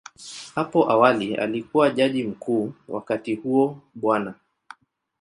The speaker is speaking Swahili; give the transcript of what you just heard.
Hapo awali alikuwa Jaji Mkuu, wakati huo Bw.